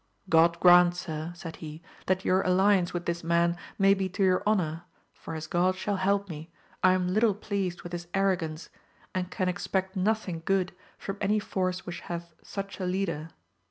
Grod grant sir, said he, that your alliance with this man may be to your honour, for as Grod shall help me, I am little pleased with his arro gance, and can expect nothing good from any force which hath such a leader.